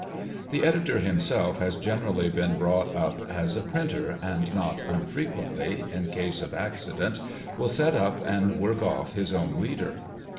The editor himself has generally been brought up as a printer, and not unfrequently in case of accident will " set up" and " work off" his own leader.